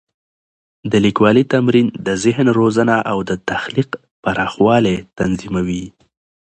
د لیکوالي تمرین د ذهن روزنه او د تخلیق پراخوالی تضمینوي.